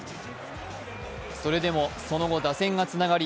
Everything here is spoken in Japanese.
それでもその後、打線がつながり